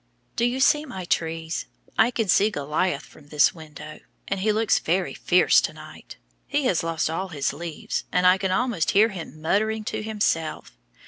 Do you see my trees? I can see Goliath from this window; he looks very fierce to night; he has lost all his leaves, and I can almost hear him muttering to himself.